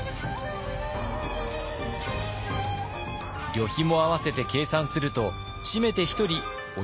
旅費も合わせて計算すると締めて１人およそ８両。